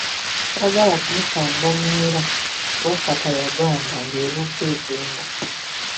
Saagala kumusaanga n'era, Wakkapa yagamba, ng'ebuuka egenda.